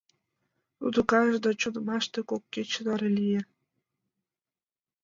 Тудо кайыш да чоҥымаште кок кече наре лие.